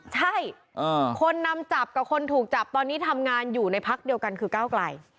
ใช่คนนำจับกับคนถูกจับตอนนี้ทำงานอยู่ในพักเดียวกันคือก้าวไกล